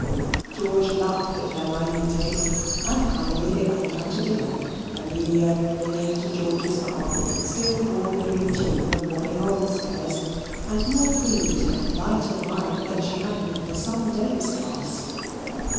George laughed at her naivete; and finally they went down to dinner, Amelia clinging to George's arm, still warbling the tune of "Wapping Old Stairs," and more pleased and light of mind than she had been for some days past.